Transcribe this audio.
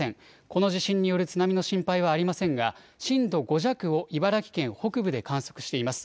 この地震による津波の心配はありませんが、震度５弱を茨城県北部で観測しています。